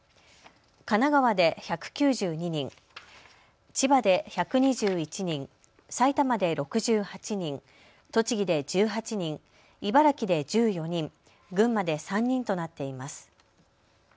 神奈川で１９２人、千葉で１２１人、埼玉で６８人、栃木で１８人、茨城で１４人、群馬で３人となっています。